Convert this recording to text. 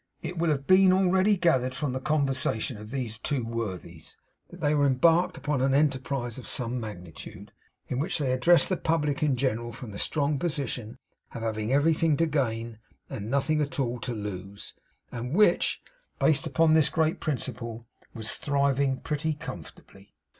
It will have been already gathered from the conversation of these worthies, that they were embarked in an enterprise of some magnitude, in which they addressed the public in general from the strong position of having everything to gain and nothing at all to lose; and which, based upon this great principle, was thriving pretty comfortably.